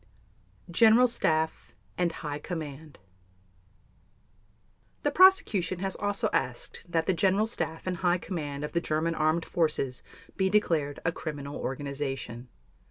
GENERAL STAFF AND HIGH COMMAND The Prosecution has also asked that the General Staff and High Command of the German Armed Forces be declared a criminal organization.